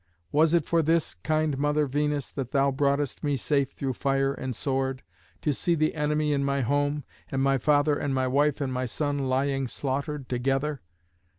Was it for this, kind Mother Venus, that thou broughtest me safe through fire and sword, to see the enemy in my home, and my father and my wife and my son lying slaughtered together?